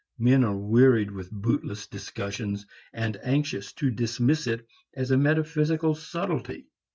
Men are wearied with bootless discussion, and anxious to dismiss it as a metaphysical subtlety.